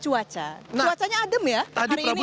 cuacanya adem ya hari ini ya